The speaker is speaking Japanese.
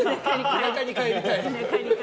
田舎に帰りたい。